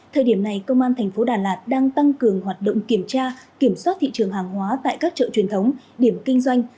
thời điểm này công an thành phố đà lạt đang tăng cường hoạt động kiểm tra kiểm soát thị trường hàng hóa tại các chợ truyền thống điểm kinh doanh